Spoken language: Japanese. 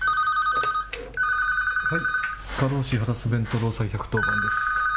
はい、過労死・ハラスメント労災１１０番です。